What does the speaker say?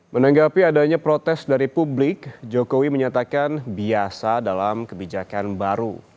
menanggapi adanya protes dari publik jokowi menyatakan biasa dalam kebijakan baru